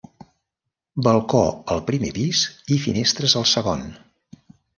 Balcó al primer pis i finestres al segon.